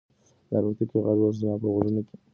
د الوتکې غږ اوس زما په غوږونو کې نه دی.